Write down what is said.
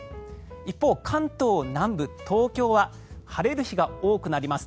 一方、関東南部東京は晴れる日が多くなります。